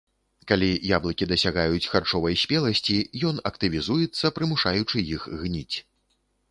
Калі яблыкі дасягаюць харчовай спеласці, ён актывізуецца, прымушаючы іх гніць.